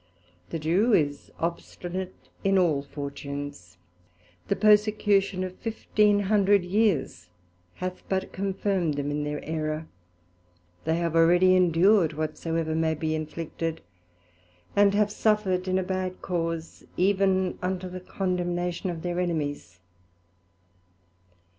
The Jew is obstinate in all fortunes; the persecution of fifteen hundred years hath but confirmed them in their Errour: they have already endured whatsoever may be inflicted, and have suffered, in a bad cause, even to the condemnation of their enemies.